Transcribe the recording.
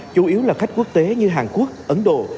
chủ yếu là khách quốc tế như hàn quốc ấn độ